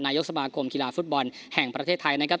นายกสมาคมกีฬาฟุตบอลแห่งประเทศไทยนะครับ